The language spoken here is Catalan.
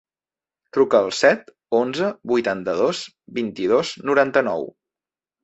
Truca al set, onze, vuitanta-dos, vint-i-dos, noranta-nou.